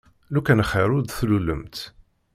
Lukan xir ur d-tlulemt.